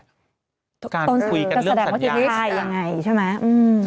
การคุยกันเรื่องสัญญาณก็แสดงว่าทีพายยังไงใช่ไหม